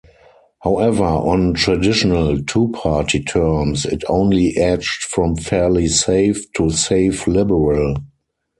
However, on "traditional" two-party terms, it only edged from fairly safe to safe Liberal.